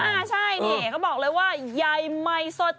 อ่าใช่นี่เขาบอกเลยว่าใหญ่ใหม่สด